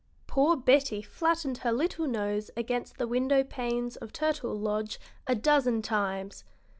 Poor Betty flattened her little nose against the window panes of Turtle Lodge a dozen times.